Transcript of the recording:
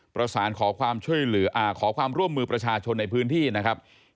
ประสานขอความช่วยเหลือขอความร่วมมือประชาชนในพื้นที่นะครับ